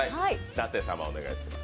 舘様、お願いします。